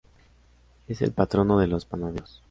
Es el patrono de los panaderos.